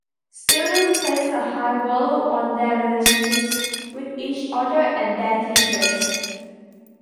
Students place a high value on their relationships with each other and their teachers.